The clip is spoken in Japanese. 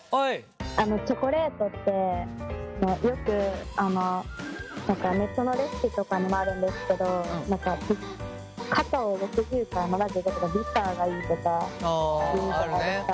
チョコレートってよくネットのレシピとかにもあるんですけどカカオ６０から７０とかビターがいいとかいうじゃないですか。